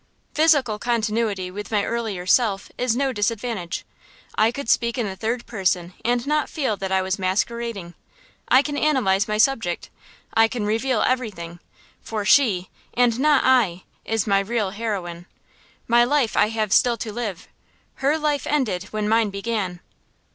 Physical continuity with my earlier self is no disadvantage. I could speak in the third person and not feel that I was masquerading. I can analyze my subject, I can reveal everything; for she, and not I, is my real heroine. My life I have still to live; her life ended when mine began.